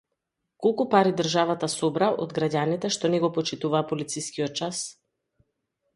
Колку пари државата собра од граѓаните што не го почитуваа полицискиот час